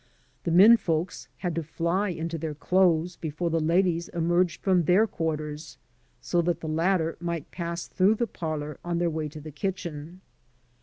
/The men folks had to fly into their clothes before the ladies emerged from their quarters, so that the latter might pass through the parlor on their way to the kitchen.